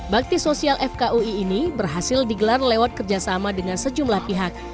bakti sosial fkui ini berhasil digelar lewat kerjasama dengan sejumlah pihak